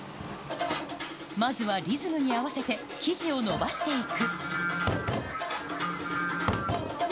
まずはリズムに合わせて生地を延ばしていく。